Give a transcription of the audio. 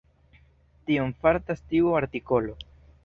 Tion faras tiu artikolo.